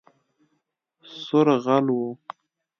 سور غل وو